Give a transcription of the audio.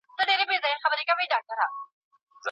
ځينو ډلو خپل مخالفين نه شول زغملی.